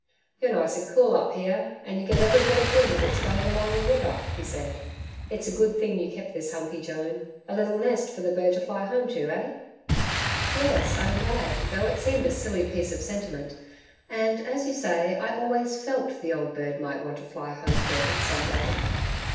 'You're nice and cool up here, and you get every bit of wind that's going along the river,' he said. 'It's a good thing you kept this humpey, Joan a little nest for the bird to fly home to, eh?' 'Yes, I'm glad, though it seemed a silly piece of sentiment ... and, as you say, I always FELT the old bird might want to fly home for a bit some day.